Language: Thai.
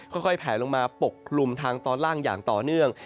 ค่อยแผลลงมาปกคลุมทางตอนล่างอย่างต่อเนื่อง